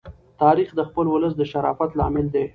تاریخ د خپل ولس د شرافت لامل دی.